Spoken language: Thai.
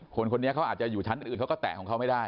คนคนนี้เขาอาจจะอยู่ชั้นอื่นเขาก็แตะของเขาไม่ได้